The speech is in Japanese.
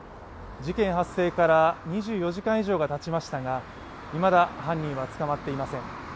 事件発生から２４時間以上がたちましたがいまだ、犯人は捕まっていません。